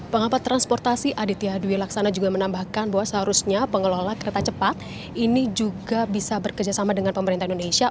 pengamat transportasi aditya dwi laksana juga menambahkan bahwa seharusnya pengelola kereta cepat ini juga bisa bekerjasama dengan pemerintah indonesia